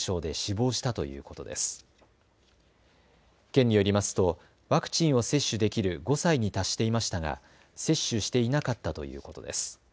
県によりますとワクチンを接種できる５歳に達していましたが接種していなかったということです。